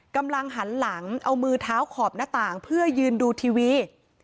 กำลังหันหลังเอามือเท้าขอบหน้าต่างเพื่อยืนดูทีวี